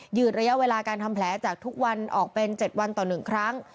ืดระยะเวลาการทำแผลจากทุกวันออกเป็น๗วันต่อ๑ครั้ง